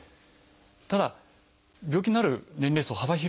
ただ病気になる年齢層幅広いです。